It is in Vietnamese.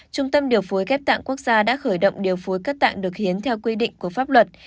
trung tâm điều phối ghép tạng quốc gia đã khởi động điều phối các tạng được hiến theo quy định của pháp luật